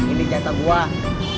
ini jatah buah